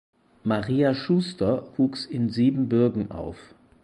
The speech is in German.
Maria Schuster wuchs in Siebenbürgen auf.